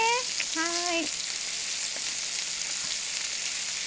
はい。